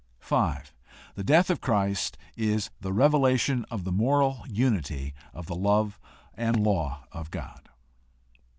5. The death of Christ is the revelation of the moral unity of the love and law of God.